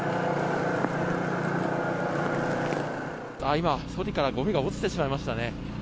今、そりからごみが落ちてしまいましたね。